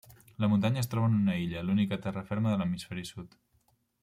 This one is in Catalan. La Muntanya es troba en una illa, l'única terra ferma de l'hemisferi sud.